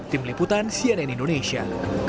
tim liputan cnn indonesia